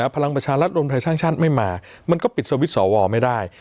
พลังประชารัฐโรนไพรชั่งชัดไม่มามันก็ปิดสวิตช์สวไม่ได้